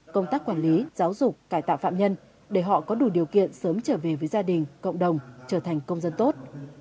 công tác quản lý giáo dục cải tạo phạm nhân để họ có đủ điều kiện sớm trở về với gia đình cộng đồng trở thành công dân tốt